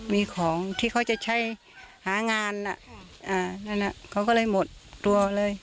มีของที่เขาจะใช้หางานนั่นเขาก็เลยหมดตัวเลย